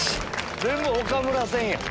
全部岡村船やん。